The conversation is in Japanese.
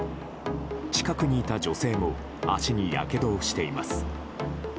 近くにいた女性も足に、やけどをしています。